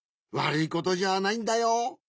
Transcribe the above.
わるいことじゃないんだよ。